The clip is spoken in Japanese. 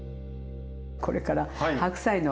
これから白菜の。